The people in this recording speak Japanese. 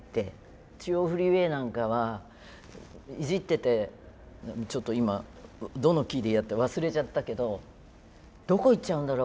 「中央フリーウェイ」なんかはいじっててちょっと今どのキーでやったか忘れちゃったけどどこ行っちゃうんだろう